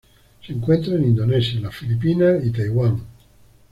Se encuentran en Indonesia, las Filipinas y Taiwán.